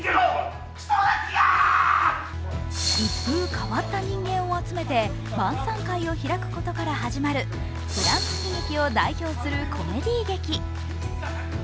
一風変わった人間を集めた晩さん会を開くことから始まるフランス喜劇を代表するコメディー劇。